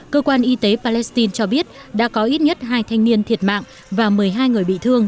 cơ quan y tế palestine cho biết đã có ít nhất hai thanh niên thiệt mạng và một mươi hai người bị thương